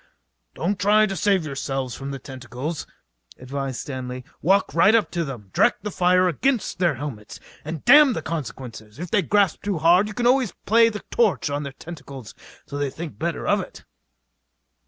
"Don't try to save yourselves from their tentacles," advised Stanley. "Walk right up to them, direct the fire against their helmets, and damn the consequences. If they grip too hard you can always play the torch on their tentacles till they think better of it."